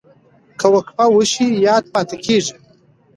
که وقفه وشي یاد پاتې کېږي.